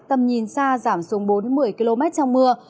tầm nhìn xa giảm xuống bốn một mươi km trong mưa